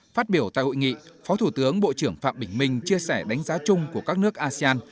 phát biểu tại hội nghị phó thủ tướng bộ trưởng phạm bình minh chia sẻ đánh giá chung của các nước asean